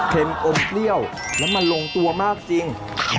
อมเปรี้ยวแล้วมันลงตัวมากจริง